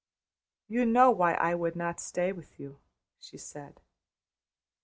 "You know why I would not stay with you," she said.